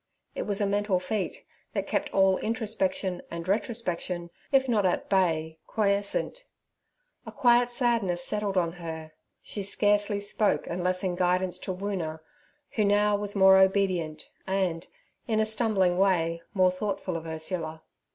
It was a mental feat that kept all introspection and retrospection, if not at bay, quiescent. A quiet sadness settled on her; she scarcely spoke unless in guidance to Woona, who now was more obedient and, in a stumbling way, more thoughtful of Ursula.